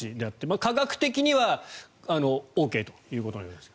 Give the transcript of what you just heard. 科学的にはＯＫということのようですが。